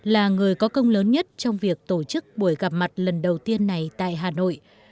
là người có công lớn nhất trong việc tổ chức buổi gặp mặt lần đầu tiên này tại hà nội